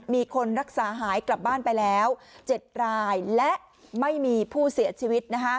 มีคนรักษาหายกลับบ้านไปแล้ว๗รายและไม่มีผู้เสียชีวิต